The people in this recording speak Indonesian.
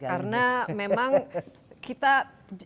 karena memang kita jaranglah istilahnya